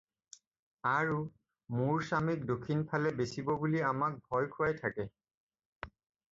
আৰু মোৰ স্বামীক দক্ষিণ ফালে বেচিব বুলি আমাক ভয় খুৱাই থাকে।